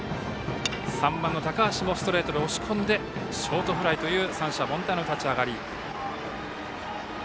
３番の高橋もストレートで押し込んでショートフライという三者凡退の立ち上がり。